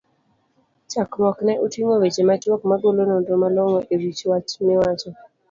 chakruokne oting'o weche machuok, magolo nonro malongo e wich wach miwach?